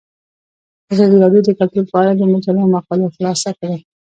ازادي راډیو د کلتور په اړه د مجلو مقالو خلاصه کړې.